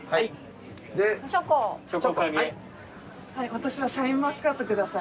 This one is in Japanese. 私はシャインマスカット下さい。